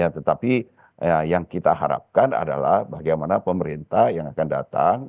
tetapi yang kita harapkan adalah bagaimana pemerintah yang akan datang